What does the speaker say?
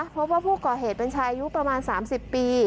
เพราะว่าผู้ก่อเหตุเป็นชายยุคประมาณสามสิบปี